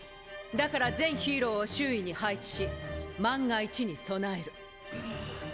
だから全ヒーローを周囲に配置し万が一に備える。。